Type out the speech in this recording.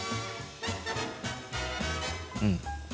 うん。